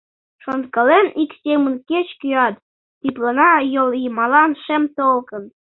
Шонкален ик семын кеч-кӧат: Тӱплана йол йымалан шем толкын.